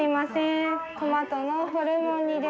トマトのホルモン煮でございます。